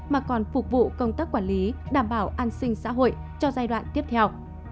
mà còn phục vụ công tác quản lý đảm bảo an sinh xã hội cho giai đoạn tiếp theo